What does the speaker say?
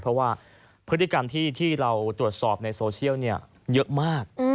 เพราะว่าพฤติกรรมที่เราตรวจสอบในโซเชียลเยอะมาก